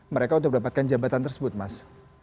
mereka untuk mendapatkan jabatan tersebut mas